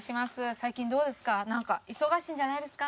最近どうですか？